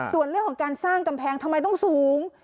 ส่วนเรื่องของการสร้างกำแพงทำไมต้องสูง